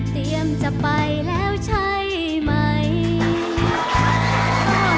เตรียมจะไปแล้วใช่ไหม